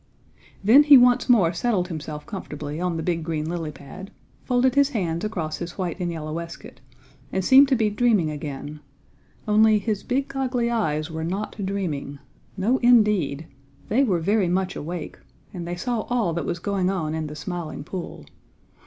Then he once more settled himself comfortably on the big green lily pad, folded his hands across his white and yellow waistcoat, and seemed to be dreaming again, only his big goggly eyes were not dreaming. No, indeed! They were very much awake, and they saw all that was going on in the Smiling Pool.